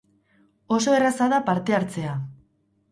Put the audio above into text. Oso erraza da parte hartzea!